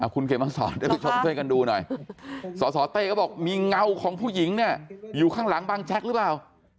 คุณเขมสอนท่านผู้ชมช่วยกันดูหน่อยสสเต้ก็บอกมีเงาของผู้หญิงเนี่ยอยู่ข้างหลังบางแจ๊กหรือเปล่า